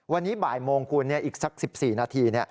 วันนี้บ่ายโมงคุณอีกสัก๑๔นาที